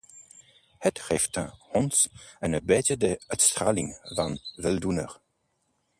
Het geeft ons een beetje de uitstraling van weldoener.